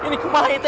ini kemana itu